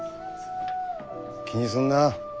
気にすんな。